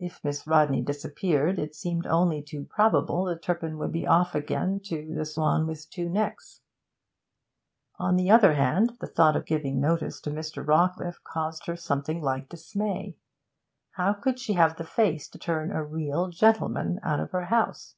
If Miss Rodney disappeared, it seemed only too probable that Turpin would be off again to 'The Swan With Two Necks.' On the other hand, the thought of 'giving notice' to Mr. Rawcliffe caused her something like dismay; how could she have the face to turn a real gentleman out of her house?